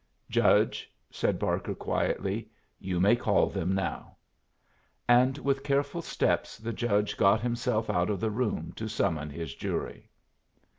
"Judge," said Barker, quietly, "you may call them now." And with careful steps the judge got himself out of the room to summon his jury.